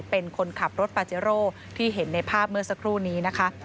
เป็นคนขับรถปาเจโร่ที่เห็นในภาพเมื่อสักครู่นี้นะคะ